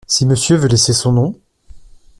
Si Monsieur veut laisser son nom ?